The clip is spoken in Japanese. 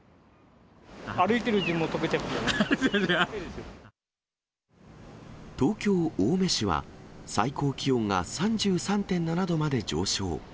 歩いているうちにとけちゃい東京・青梅市は、最高気温が３３．７度まで上昇。